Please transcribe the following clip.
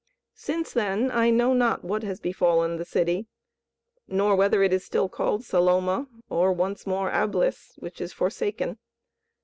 Since then I know not what has befallen the city, nor whether it is still called Saloma, or once more Ablis, which is Forsaken.